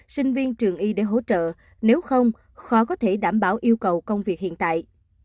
sinh viên trường y để hỗ trợ nếu không khó có thể đảm bảo yêu cầu công việc hiện tại